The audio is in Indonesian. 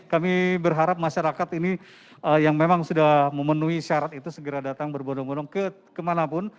kami berharap masyarakat ini yang memang sudah memenuhi syarat itu segera datang berbondong bondong kemana pun